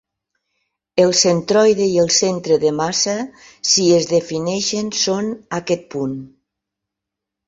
El centroide i el centre de massa, si es defineixen, són aquest punt.